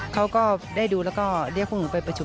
เขาก็ได้ดูแล้วก็เรียกคุณผู้หญิงไปประชุม